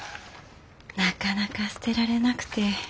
なかなか捨てられなくて。